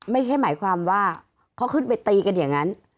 ไม่ใช่หมายความว่าเขาขึ้นไปตีกันอย่างนั้น